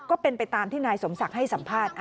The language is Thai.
ก็เป็นไปตามที่นายสมศักดิ์ให้สัมภาษณ์